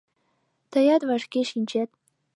— Тыят вашке шинчет...